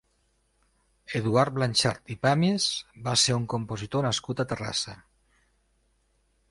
Eduard Blanxart i Pàmies va ser un compositor nascut a Terrassa.